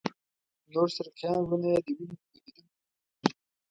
نور شرقیان وروڼه یې د وینو په بهېدلو نه خوږېږي.